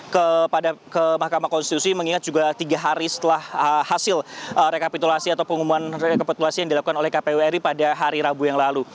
kepada ke mahkamah konstitusi mengingat juga tiga hari setelah hasil rekapitulasi atau pengumuman rekapitulasi yang dilakukan oleh kpu ri pada hari rabu yang lalu